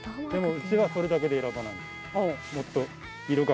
でもうちはそれだけで選ばない。